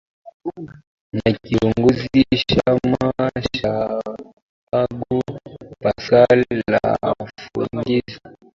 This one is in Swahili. na kiongozi chama cha bagbo pascal lafwengeza